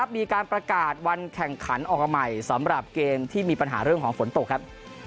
มีการประกาศวันแข่งขันออกมาใหม่สำหรับเกมที่มีปัญหาเรื่องของฝนตกครับ